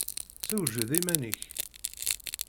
Sewjed iman-ik!